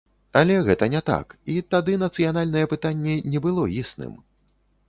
Але гэта не так, і тады нацыянальнае пытанне не было існым.